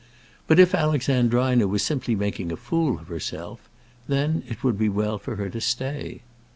But if Alexandrina was simply making a fool of herself, then it would be well for her to stay.